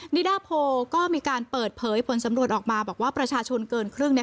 นิดาโพก็มีการเปิดเผยผลสำรวจออกมาบอกว่าประชาชนเกินครึ่ง